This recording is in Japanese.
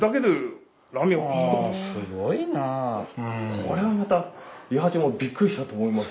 これもまた伊八もびっくりしたと思います。